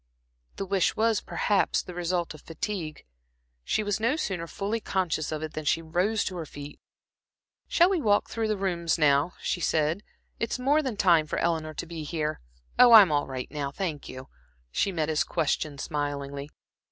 The wish was, perhaps, the result of fatigue. She was no sooner fully conscious of it than she rose to her feet. "Shall we walk through the rooms now?" she said. "It's more than time for Eleanor to be here. Oh, I'm all right now, thank you" she met his question smilingly.